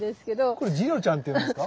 これジロちゃんって言うんですか？